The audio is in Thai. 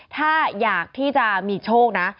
ถ้าอยากที่จะมีโชคนะ